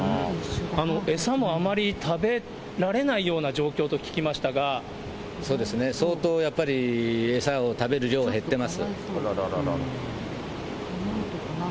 餌もあまり食べらそうですね、相当やっぱり餌を食べる量が減ってます。